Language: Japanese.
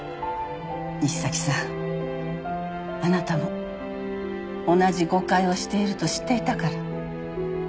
西崎さんあなたも同じ誤解をしていると知っていたから。